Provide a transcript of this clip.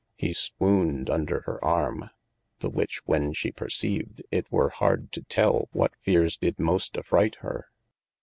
He swooned under hir arme : the which when she perceived, it were harde to tel what feares did most affright hir.